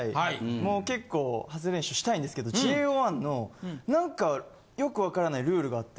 もう結構発声練習したいんですけどＪＯ１の何かよくわからないルールがあって。